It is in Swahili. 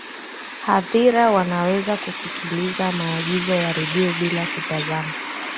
hadhira wanaweza kusikiliza maigizo ya redio bila kutazama